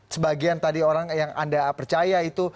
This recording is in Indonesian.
sebagian tadi orang yang anda percaya itu